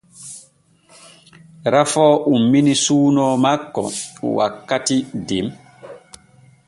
Rafoo ummini suuno makko wakkati den.